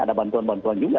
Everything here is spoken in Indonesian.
ada bantuan bantuan juga